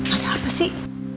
ada apa sih